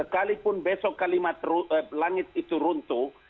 kalaupun besok kalimat langit itu runtuh